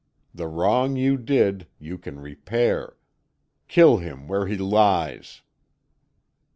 The wrong you did you can repair. Kill him where he lies!"